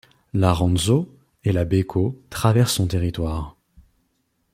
La Rantzau et la Bekau traversent son territoire.